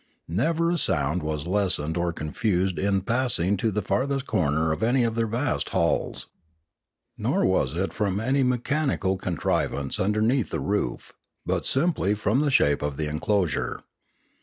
Never a sound was lessened or confused in passing to the farthest corner of any of their vast halls. Nor was it from any mechanical contrivance underneath the roof, but simply from the shape of the enclosure.